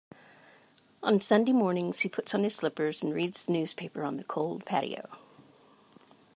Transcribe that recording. On Sunday mornings, he puts on his slippers and reads the newspaper on the cold patio.